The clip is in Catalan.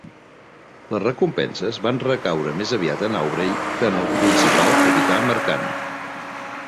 Les recompenses van recaure més aviat en Aubrey que en el principal capità mercant.